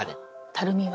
たるみは？